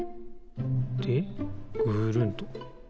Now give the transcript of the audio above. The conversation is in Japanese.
でぐるんと。